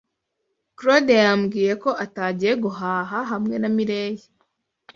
Claude yambwiye ko atagiye guhaha hamwe na Mirelle.